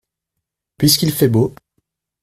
Puisqu’il fait beau.